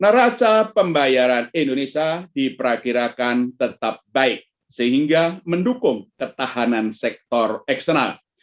neraca pembayaran indonesia diperkirakan tetap baik sehingga mendukung ketahanan sektor eksternal